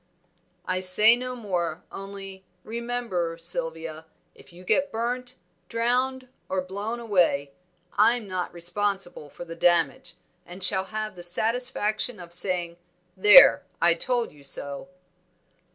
"I say no more; only remember, Sylvia, if you get burnt, drowned, or blown away, I'm not responsible for the damage, and shall have the satisfaction of saying, 'There, I told you so.'"